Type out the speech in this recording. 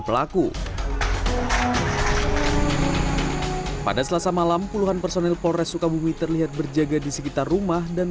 pelaku pada selasa malam puluhan personil polres sukabumi terlihat berjaga di sekitar rumah dan